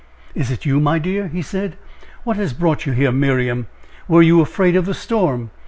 "Is it you, my dear?" he said. "What has brought you here, Miriam? Were you afraid of the storm?